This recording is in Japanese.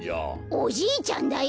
おじいちゃんだよ！